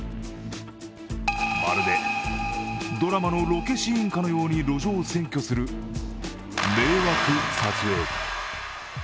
まるでドラマのロケシーンかのように路上を占拠する迷惑撮影隊。